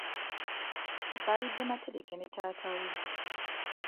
Balidde matereke ne taata we.